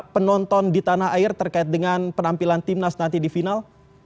penonton di tanah air terkait dengan penampilan timnas nanti di final